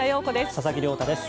佐々木亮太です。